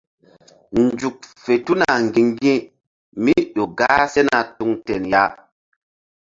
Nzuk tuna ŋgi̧ŋgi̧mí ƴo gah sena tuŋ ten ya.